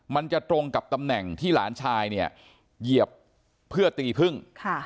มันจะตรงกับตำแหน่งที่หลานชายเนี่ยเหยียบเพื่อตีพึ่ง